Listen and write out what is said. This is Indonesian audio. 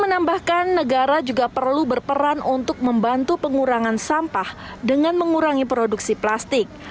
menambahkan negara juga perlu berperan untuk membantu pengurangan sampah dengan mengurangi produksi plastik